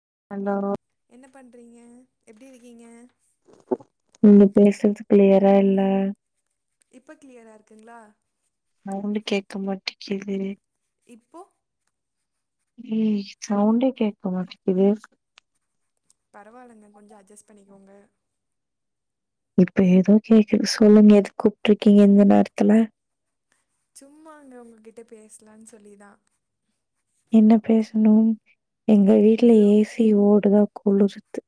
[unintelligible] என்ன பண்றீங்க எப்டி இருக்கீங்க நீங்க பேசுறது கிளியர்ரா இல்ல இப்ப கிளியரா இருகுங்களா அவ்ளுக்கு கேட்க மாட்டுகிது இப்போ ம் சவுண்டே கேட்க மாட்டேகிது பரவாலங்க கொஞ்சோ அட்ஜெஸ் பண்ணிகோங்க இப்ப ஏதோ கேக்குது சொல்லுங்க எதுக் கூப்ருக்கீங்க இந்த நேர்த்துல சும்மாங்க உங்ககிட்ட பேசலான்னு சொல்லிதா என்ன பேசணோ எங்க வீட்டுல ஏதோ ஏ சி ஓடுதா குள்ள சுத்து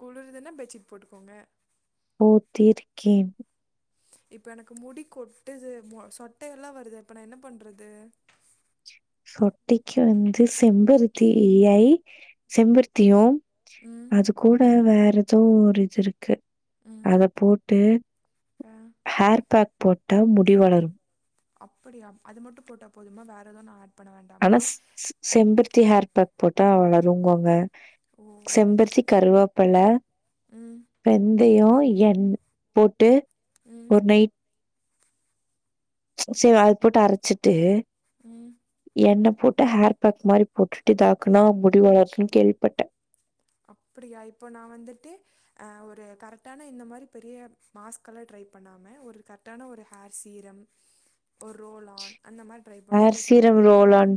குளுர்துன்னா பெட்சீட் போட்டுகோங்க போத்திருக்கே இப்ப எனக்கு முடி கொட்டுது மொ சொட்ட எல்லா வருது இப்ப நா என்ன பண்றது சொட்டைக்கு வந்து செம்பருத்தி இ-இலை செம்பருத்தியு ம் அது கூட வே எதோ ஒரு இது இருக்கு ம் அத போட்டு ஆ ஹேர் பேக் போட்டா முடி வளரும் அப்டியா அது மட்டோ போட்டா போதுமா வேற ஏதோ நா அட் அனா ஸ் ஸ் செம்பருத்தி ஹேர் பக் போட்டா வளரும்பாங்க ஓ செம்பருத்தி கருவேப்பல ம் வெந் இதையு. எண் போட்டு ம் ஒரு நைட் செர் அது போட்டு அரைச்சிட்டு ம் என்ன போட்டு ஹேர்பக் மாரி போட்டுட்டு தாக்குனா முடி வளர்ன்னு கேள்விபட்டே அப்டியா இப்போ நா வந்துட்டு அ ஒரு கரெக்டான இந்த மாரி பெரிய மாஸ்கெல்லா ட்ரை பண்ணாம ஒரு கரெக்டான ஒரு ஹேர் சீரம் ஒரு ரோல்லான் அந்த மாரி ட்ரை பண்ண ஹேர் எதை சஜஸ்ட் சீரம் ரோல் பண்ணுவீங்க ஆன்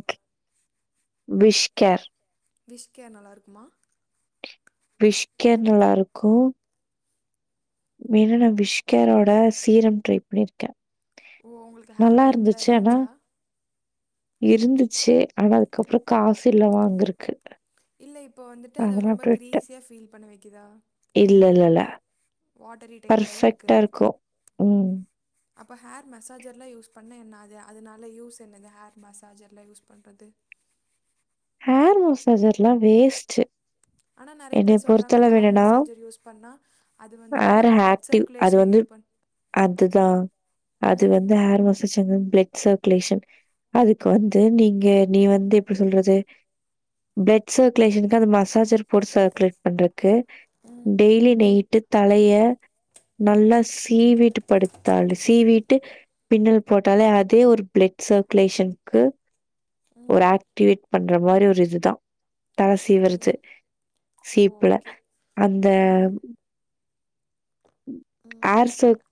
விஷ் கேர் விஷ்கேர் நல்லா இருக்குமா விஷ்கேர் நல்லா இருக்கு வேனா நா விஷ்கேரோட சீரம் ட்ரை பண்ணிருக்கே ஓ உங்கள்கு ஹேர் குரோட் ல இருந்துச்சா இருந்துச்சு ஆனா அதுக்கப்றோ காசு இல்ல வாங்கர்க்கு இல்ல இப்ப வந்துட்டு அத ரொம்ப கிரீஸியா பீல் பண்ண வெக்குதா பர்ஃபெக்டா இருக்கோ ம் அப்ப ஹேர் மசாஜர்ல யூஸ் பண்ண என்ன அது அதனால யூஸ் என்னங்க ஹேர் மசாஜர்ல யூஸ் பண்றது ஹேர் மஸாஜர் எல்லாம் வேஸ்ட்டு ஆனால் நிறைய என்னய பேர் சொல்கிறாங்க பொறுத்தளவு ஹேர் என்னனா மசாஜர் யூஸ் பண்ணால் அது வந்துட்டு ஹேர் நம்ம ஆக்டிவ் அது சர்க்குலேஷனை வந்து இது பண் அதுதான் அது ம் வந்து ஹேர் மசாச்சுங்க பிளட் சர்க்குலேஷன் அதுக்கு வந்து நீங்க நீ வந்து எப்படி சொல்றது. பிளட் சர்க்குலேஷனு்க்கு அந்த மசாஜர் பிலெட் சா்குலேட் பண்றதுக்கு ம் டெய்லி நைட் விட்டு தலைய ம் நல்லா சீ வீட்டு படுத்தாள் சீவிட் பின்னல் போட்டாலே அதே ஒரு பிளட் சர்க்குலேஷனுக்கு ஒரு ம் அக்டிவிக் பண்ற மாதிரி ஒரு இதுதான் தல அப்படியா சீவுரது சீப்புல ஓகே அந்த ஆஹா ம் ஹேர் சோக்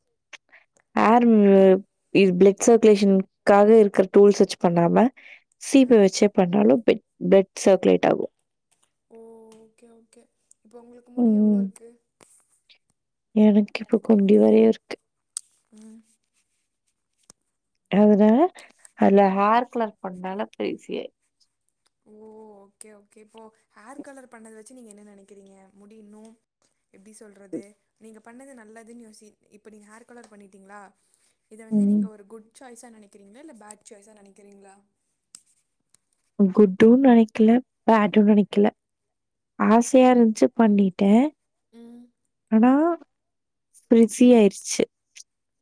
ஹேர் இது பிளட் சர்க்குலேஷனுக்காக இருக்க டூல்ஸ் வச்சு பண்ணாம ஆ சீப வச்சே பண்ணாலும் பெட் ப்ளட் சர்க்குலேட் ஆகும் ஓ ஓகே ஓகே இப்போ உங்களுக்கு முடி உம் எவ்வளோ உம் இருக்குது எனக்கு இப்ப கொஞ்சம் நறய இருக்கு ம் அதனால அதுல ஹேர் கலர் பண்ணால பெரிசியே ஓ ஓகே ஓகே இப்போ ஹேர் கலர் பண்ணத வச்சு நீங்க என்ன நனைக்கிறீங்க முடி இன்னு எப்டி சொல்றது நீங்க பண்ணது நல்லதுன்னு யோசி இப்ப நீங்க ஹேர் கலர் பண்ணிட்டீங்களா இத வந்து ம். நீங்க ஒரு குட் சாய்ஸா நனைக்கிறீங்களா இல்ல பேட் சாய்ஸா நனைக்கிறீங்களா குட்டுன்னு நனைக்கில பேடுன்னு நனைக்கில ஆசையா இருந்ச்சு பண்ணிட்டேன் ம் ஆனா பிரிஸி ஆயிடுச்சு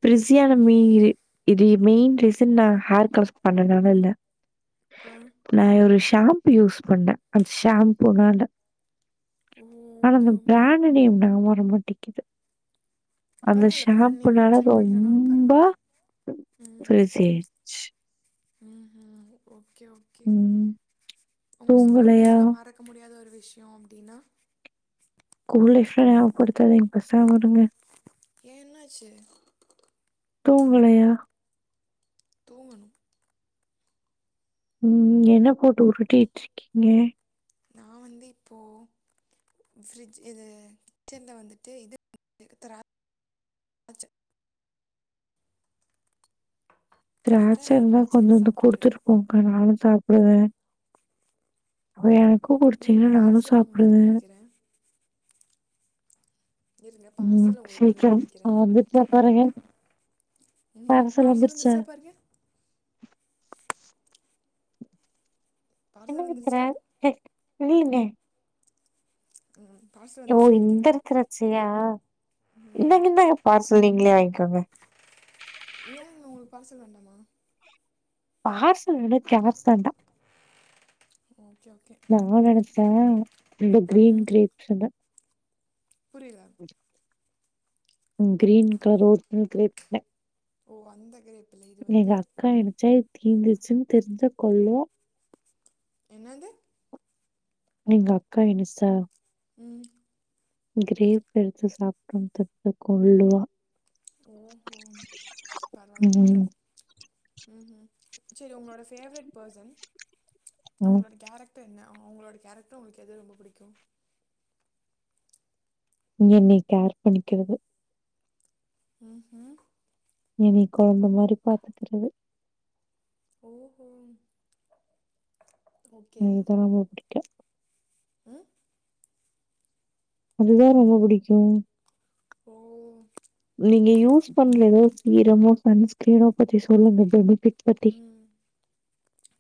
பிரிஸியான மெய்ரு இது மெயின் ரீசன் நா ஹேர் கலர்ஸ் பண்ணதுனால இல்ல. ஆ நான் ஒரு ஷாம்பு யூஸ் பண்ணே அந்த ஷாம்பூனால ஆனா ஓகே அந்த ஓகே பிராண்டு நேம் தா வர விக்கிது. அந்த பரவாயில்ல பிராண்ட் நேம் ஷாம்புனால மென்ஷன் பண்ணலனாலும் ரொம்ப பரவாயில்ல பிரிஸி ஆயிடுச் ம்ஹூம் ஓ ஓகே ஓகே ம். ஒங்க ஸ்கூல் தூங்கலையா? லைஃப்ல மறக்க முடியாத ஒரு விஸ் விஷ்யோ அப்டினா கும்லீஸ்லா நாவப்படுத்தாதிங் பேசாம விடுங்க ஏ என்னாச்சு தூங்கலையா தூங்கணு ம் என்ன போட்டு உருட்டிட்ருக்கீங்க நான் வந்து இப்போ ஃபிரிட்ஜ் இது கிச்சன்ல வந்துட்டு இது [inaudible] அதனால திராட்ச இருந்தா திராட்சை எடுத்து கொஞ்சோண்டு சாப்பிட்டுட்டு குடுத்துட்டு இருக்கேன் போங்கக்கா நானு சாப் ஆ ஆ நீங்க கூப்புடுச்சீங்கன்னா நானு பார்சல்ல உங்களுக்கு சாப்டுவே அனுப்பி வைக்கிறேன் இருங்க ம்ம் பார்சல்ல உங்களுக்கு அனுப்பி சீக்கரோ வைக்கிறேன் வந்துச்சா பாருங்க ம் பார்சல் வந்திரிச்சா வந்துருச்சா பாருங்க என்ன பார்சல் பண்ற வந்துருச்சா அ இல்லிங்க ம் பார்சல் ஓ வந்துருச்சுன்னு இந்த நினைக்கிறேன் திராட்சையா ம் இந்தாங்க இந்தாங்க பார்சல் நீங்களே வாங் கவா ஏங்க உங்களுக்கு பார்சல் வேண்டாமா பார்ஸ் எனக்கு கேப் வேண்டாம் ஓகே ஓகே நா நெனைச்சேன் இந்த கிரீன் கிரேப்ஸுன்னு புரில கிரீன் கலர் [unintelligible] ஓ அந்த கிரேப் இல்லை இது எங்க வந்து அக்கா என்னசை தீந்துருச்சுன்னு தெரிஞ்சா கொல்லுவா என்னது எங்க அக்கா எனிஷா உம் கிரேப் எடுத்து சாப்பிட்டோனு தெரிஞ்சா கொல்லுவா ஓ ஓ பரவால்ல ம் பரவால்ல உம் உம் சரி உங்களோட ஃபேவரிட் போர்சன் ம் அவங்களோட கேரக் [unintelligible] என்ன அவங்களோட கேரக்டர் உங்களுக்கு எது ரொம்ப பிடிக்கு என்னைய கேர் பண்ணிக்கிறது உம் உம் என்னைய கொழந்த மாறி பாத்துக்கிறது ஓ ஓ இதுதா ரொம்ப பிடிக்கு ஆ அதுதா ரொம்ப பிடிக்கு ஓ நீங்க யூஸ் பண்லேயோ சீரமோ சன்ஸ்கீரனோ பத்தி சொல்லுங்க பெனிபிட் உம்,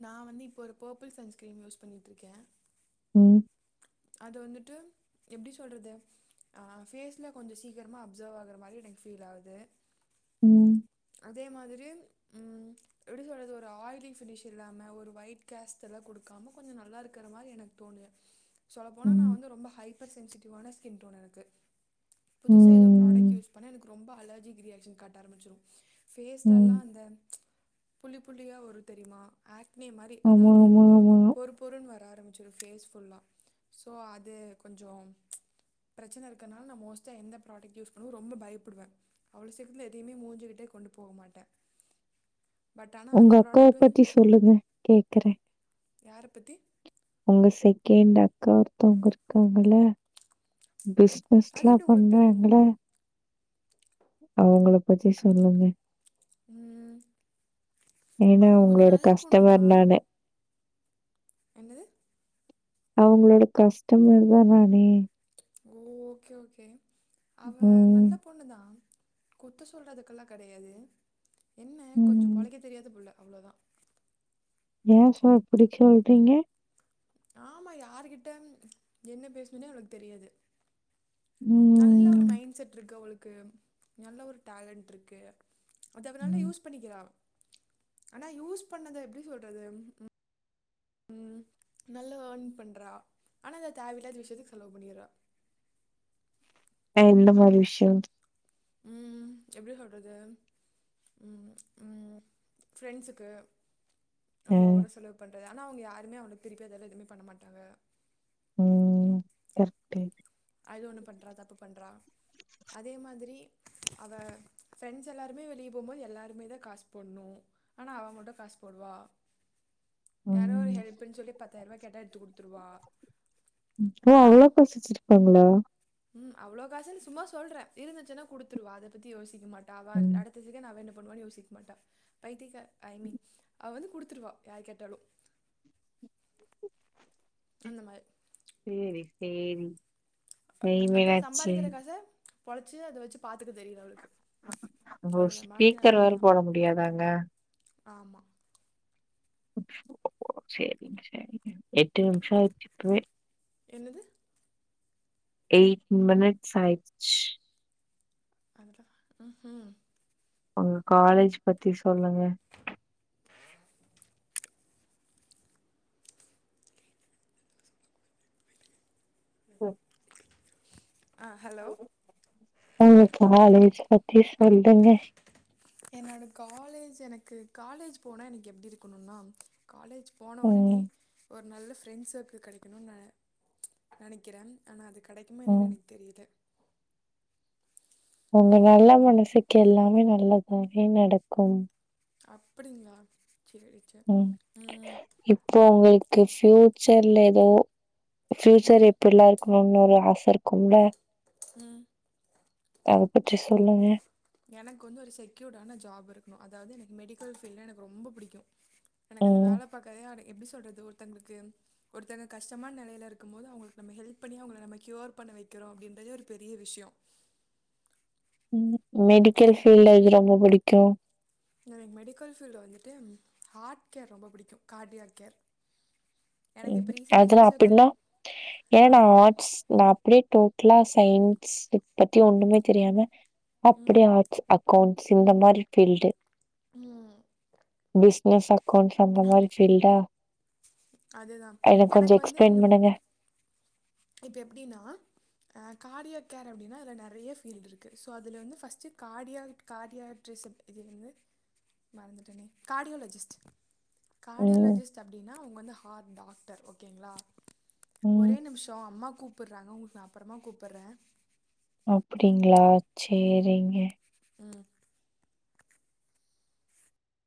நா வந்து இப்ப ஒரு போர்பிள் சன்ஸ்கிரீம் யூஸ் பண்ணிட்டுருக்கே உம் அது வந்துட்டு எப்படி சொல்றது அ ஃபேஸில் கொஞ்சு சீக்கிரமாக அப்சர்வ் ஆகுற மாரி எனக்கு ஃபீல் ஆகுது உம் அதே மாதிரி, ம் எப்படி சொல்றது ஒரு ஆயிலி ஃபினிஷ் இல்லாம ஒரு ஒயிட் கேஸ்த் எல்லா கொடுக்காம கொஞ்சு நல்லா இருக்கிற மாரி எனக்கு தோணுது, சொல்லப்போனா நா ம். வந்து ரொம்ப ஹைப்பர் சென்சிட்டிவான ஸ்கின் டோண் எனக்கு புதுசா ஏதோ ப்ராடக்ட் ம். யூஸ் பண்ணா எனக்கு ரொம்ப அலர்ஜிக் ரியாக்க்ஷன் காட்ட ஆரமிச்சிரு ம். ஃபேஸ்லல்லா அந்த ப்ச் புள்ளி புள்ளியா வரு தெரியுமா ஆக் ஆக்னி மாரி, ஆமா, அதாவது ஆமா, ஆமா. பொறு பொறுன்னு வர ஆரம்பச்சிரு ஃபேஸ் சொல்லா, சோ அது கொஞ்சு, ப்ச் பிரச்சனை இருக்கனால நா மோஸ்ட்டா எந்த ப்ராடக்ட்டு யூஸ் பண்ணவு ரொம்ப பயப்படுவே அவ்வளவு சீக்கிரத்தில எதையுமே மூஞ்சுில கொண்டு போக மாட்டே பட் ஆனா உங்க அந்த அக்காவ ப்ராடக்ட் வந்து பத்தி சொல்லுங்க, கேக்கறே.. யார பத்தி சேக்கேண்ட் அக்கா ஒருத்தவங்க இருக்காங்கில்ல அது பிஸ்னஸ்லா எப்டி உங்களுக்கு தெரியு பண்றாங்கிள்ளே அவங்கள பத்தி சொல்லுங்க, ம் ஏன்னா அவங்க கொஞ்சோ உங்ளோட நல்ல பொண்ணு தா கஸ்டமர் நானு என்னது அவங்களோட கஸ்டமர் தா நானே கோ ஓகே ஓகே அவ ம். நல்ல பொண்ணுதா குத்த சொல்றதுக்கெல்லா கெடையாது என்ன கொஞ்ஜொ ம். பொழைக்க தெரியாத புள்ள இவ்ளோதா ஏன் சொ இப்புடி சொல்றிங்க? ஆமா யாருகிட்ட என்ன பேசணுன்னே அவளுக் தெரியாது நல்ல ஒரு ம். மைண்ட் செட் இருக் அவளுக் க்கு நல்ல ஒரு டேலண்ட்ருக்கு அத அவ நல்லா ம். யூஸ் பண்ணிக்கிறா ஆனா யூஸ் பண்ணத எப்டி சொல்றது உம் நல்லா அர்ன் பண்றா ஆனா இத தேவையில்லாத விஷயத்துக் செலவு பண்ணிர்றா அ எந்த மாரி விஷ்யொ உம் எப்டி சொல்றது உம் உம் ஃப்ரெண்ட்ஸுக்கு அவ்ங்க ம் ஓவ்ரா செலவு பண்றத் ஆனா அவ்ங்க யாருமே அவனுக் திரிப்பி அதெல்லா எதுமே பண்ணமாட்டாவ ம் கரெக்ட்டு அது ஒண்ணு பண்றா தப்பு பண்றா அதே மாதிரி அவ ஃப்ரெண்ட்ஸ் எல்லாருமே வெளியே போம்போது எல்லாருமே தா காஸ் போட்ணு ஆனா அவ மட்டு காஸ் போடுவா யாரோ ஒரு ம் ஹெல்ப்புன் சொல்லி பத்தாய்ரூவா கேட்டா எடுத்து குடு த்ருவா ப்போ அவ்ளோ காசு வச்சிர் பாங்ளா ம் அவ்ளோ காசுன் சும்மா சொல்ற இருந்துச்சுன்னா குடுத்துருவா அத பத்தி யோசிக்கமாட் டாவார் ம் அடுத்த செகென்டு அவ என்ன பண்ணுவான்னு யோசிக் மாட்டா பைத்தியகார் ஐ மீன் அவ வந்து குடுத்துருவா யார் கேட்டாலு அந்த மார் சேரி சேரி டை வேறாச்சி பொழச்சு அத வச்சி பாத்துக்க தெரியல அவளுக்கு ஓ அவ்வளோதான் பாக்கி ஸ்பீக்கர் வேற போட முடியாதாங்க ஆமா சேரிங்க சேரிங்க எட்டு நிம்ஷோ ஆய்ர்ச்சி இப்பவே என்னது எய்ட் மெனிட்ஸ் ஆய்ச்சி அதுதா அஹ் ஹா ஒங்க காலேஜ் பத்தி சொல்லுங்க ம் அஹ் ஹலோ ஒங்க காலேஜ் பத்தி சொல்லுங்க என்னோட காலேஜ் எனக்கு காலேஜ் போனா எனக்கு எப்டி இருக்கணுன்னா காலேஜ் போன ஒடனே ம் ஒர் நல்ல ஃப்ரெண்ட்ஸ் சர்குள் கெடைக்கணு நெ நெனைக்கிறம் ஆனா அதுக் கெடைக்குமா என்னனு ம் எனக் தெரியல உங்க நல்ல மனசுக்கு எல்லாமே நல்லதாவே நடக்கும் அப்படிங்ளா செரி செ ம் கு ஃப்யூச்சர்ல எதோ ஃப்யூச்சர் ம் எப்பிட்ல்லாருக் கோன்னு ஒரு ஆசருக் கும்ல ம் அத பற்றி சொல்லுங்க எனக்கு வந்து ஒரு செக்யூர்டான ஜாப் இருக்கணும் அதாவது எனக்கு மெடிக்கல் ஃபீல்டல எனக்கு ரொம்ப புடிக்கும். எனக்கு அது ம் வேல [unintelligible] அடே எப்டி சொல்றது ஒருத்தங்ளுக்கு ஒருத்தங்க கஷ்டமான நிலையில இருக்கும் போது அவுங்ளுக்கு நம்ம ஹெல்ப் பண்ணி அவுங்கல நம்ம கியூர் பண்ண வைக்கிறோம் அப்படின்றதே ஒரு பெரிய விஷ்யம். [inaudible] மெடிக்கல் ஃபீல்ல இ ரொம்ப புடி [unintelligible] எனக் மெடிக்கல் ஃபீல்டு வந்துட்டு ஹார்ட் கேர் ரொம்ப பிடிக்கும் கார்டியாக் கேர். எனக்கு உம் இப்போ ரீசெண்டாக அது நா அப்புட்னா ஃபிசியோதெரப்பி ஏன்னா ஆம், ஆட்ஸ் நா அப்டியே டோட்டலா சயின்ஸ் டு பத்தி ஒண்ணுமே தெரியாம ம், அப்படிய ஆட்ஸ் அக்கௌண்ட் [unintelligible] மாரி ஃபீல்டு ம், [unintelligible] நச கொஞ்ச அந்த மாரி ஃபில்டா அதுதான் எனக்கு வந்து எக்ஸ்பிளைன் இந்த பண்ணுங்க இப்ப எப்டினா அ கார்டியாக் கேர் அப்டினா அதுல நறையா ஃபீல்டு இருக்கு ஸோ அதுல வந்து ஃபர்ஸ்ட்டு கார்டியாக் கார்டியாட்ரெசப் இது வந்து மறந்துட்டேனே கார்டியோலெஜிஸ்ட் ம் கார்டியோலெஜிஸ்ட் அப்டின்னா அவுங்க வந்து ஆர் டாக்டர் ஓகேங்ளா ம் ஒரே நிமிஷோ அம்மா கூப் ப்புட்றாங்க உங்குள்கு நா அப்பறமா கூப்புட்றே அப்டிங்க்ளா சேரிங்க